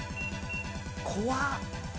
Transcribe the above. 「怖っ！」